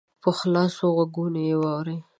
په خلاصو غوږو یې واوره !